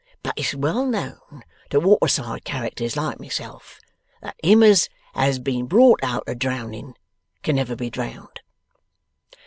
But it's well known to water side characters like myself, that him as has been brought out o drowning, can never be drowned.